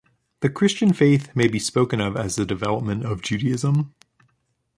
The Christian Faith may be spoken of as the development of Judaism.